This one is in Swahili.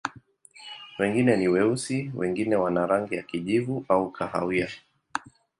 Wengine ni weusi, wengine wana rangi ya kijivu au kahawia.